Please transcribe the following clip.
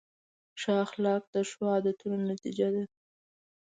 ښه اخلاق د ښو عادتونو نښه ده.